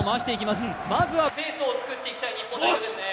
まずはペースを作っていきたい日本代表ですね